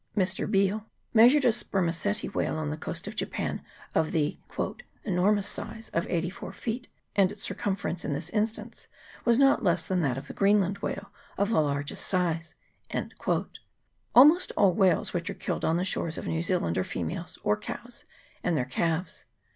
Mr. Beale measured a spermaceti whale on the coast of Japan of the " enormous size of eighty four feet, and its circumference in this instance was not less than that of a Greenland whale of the largest size." Almost all the whales which are killed on the shores of New Zealand are females, or cows, and their calves.